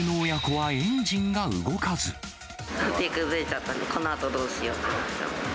予定崩れちゃったので、このあとどうしようって。